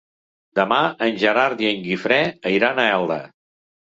Demà en Gerard i en Guifré iran a Elda.